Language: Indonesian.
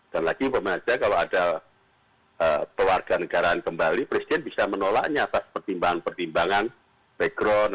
dan lagi bapak ibu saya kalau ada kewarganegaraan kembali presiden bisa menolaknya atas pertimbangan pertimbangan background